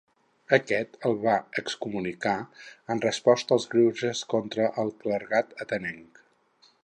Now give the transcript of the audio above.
Aquest el va excomunicar en resposta als greuges contra el clergat atenenc.